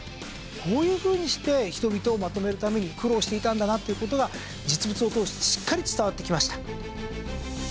こういうふうにして人々をまとめるために苦労していたんだなっていう事が実物を通してしっかり伝わってきました。